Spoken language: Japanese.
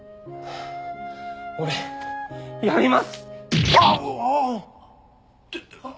俺やります！あっ！？